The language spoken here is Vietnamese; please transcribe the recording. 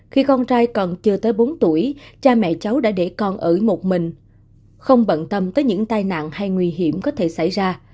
khi con trai còn chưa tới bốn tuổi cha mẹ cháu đã để con ở một mình không bận tâm tới những tai nạn hay nguy hiểm có thể xảy ra